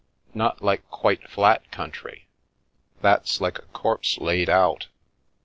Not like quite flat country — that's like a corpse laid out."